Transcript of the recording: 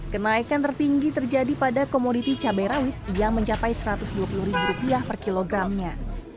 kenaikan tertinggi terjadi pada komoditi cabai rawit yang mencapai rp satu ratus dua puluh per kilogramnya